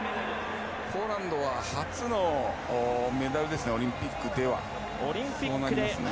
ポーランドは初のメダルですねオリンピックでは。